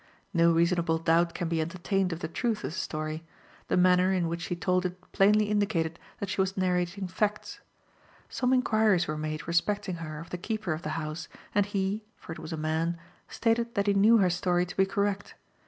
No reasonable doubt can be entertained of the truth of the story; the manner in which she told it plainly indicated that she was narrating facts. Some inquiries were made respecting her of the keeper of the house, and he (for it was a man) stated that he knew her story to be correct.